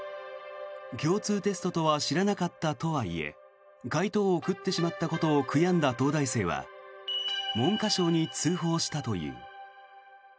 共通テストとは知らなかったとはいえ解答を送ってしまったことを悔やんだ東大生は文科省に通報したという。